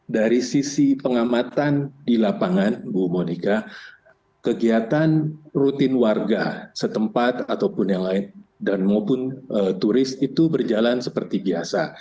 dari sisi pengamatan di lapangan bu monika kegiatan rutin warga setempat ataupun yang lain dan maupun turis itu berjalan seperti biasa